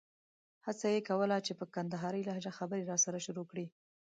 هڅه یې کوله چې په کندارۍ لهجه خبرې راسره شروع کړي.